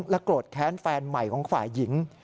โกรธแค้นแฟนใหม่ของฝ่ายหญิง